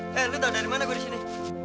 eh lo tau dari mana gue di sini